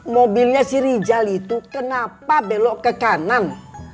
mobilnya si rijal itu kenapa belok ke kanan